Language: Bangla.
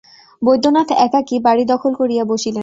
বৈদ্যনাথ একাকী বাড়ি দখল করিয়া বসিলেন।